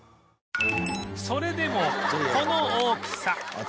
それでもこの大きさ